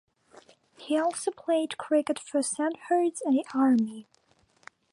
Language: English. He also played cricket for Sandhurst and the Army.